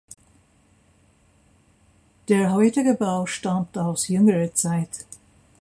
Der heutige Bau stammt aus jüngerer Zeit.